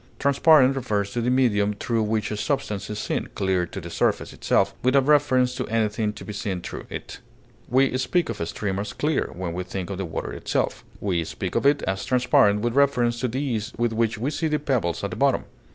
Transparent refers to the medium through which a substance is seen, clear to the substance itself, without reference to anything to be seen through it; we speak of a stream as clear when we think of the water itself; we speak of it as transparent with reference to the ease with which we see the pebbles at the bottom.